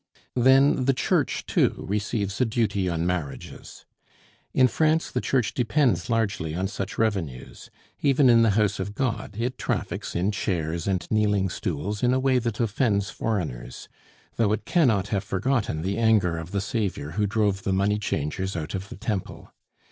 Then the Church, too, receives a duty on marriages. In France the Church depends largely on such revenues; even in the House of God it traffics in chairs and kneeling stools in a way that offends foreigners; though it cannot have forgotten the anger of the Saviour who drove the money changers out of the Temple.